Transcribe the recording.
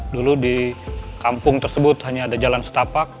dulu di kampung tersebut hanya ada jalan setapak